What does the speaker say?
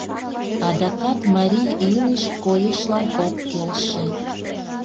Адакат марий илыш койышлан ок келше.